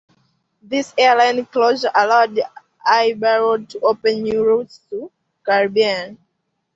This airline closure allowed Iberworld to open new routes to Caribbean.